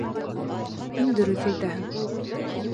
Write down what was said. Һин дөрөҫ әйтәһең.